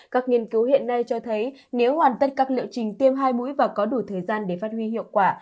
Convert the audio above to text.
các nghiên cứu hiện nay cho thấy nếu hoàn tất các liệu trình tiêm hai mũi và có đủ thời gian để phát huy hiệu quả